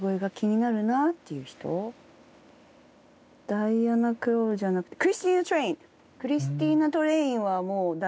ダイアナ・クラールじゃなくてクリスティーナ・トレイン！